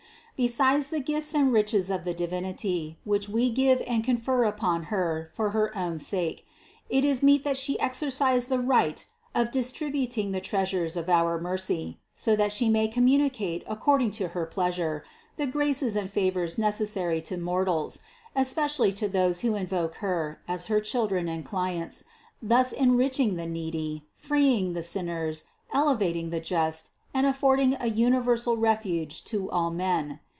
Besides the gifts and riches of the Divinity, which We give and confer upon Her for her own sake, it is meet that She exercise the right of distributing the treasures of our mercy, so that She may communicate according to her pleasure the graces and favors necessary to mortals, especially to those who invoke Her as her children and clients, thus enriching the needy, freeing the sinners, elevating the just and affording a universal refuge to all men.